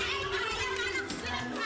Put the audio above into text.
udah kan be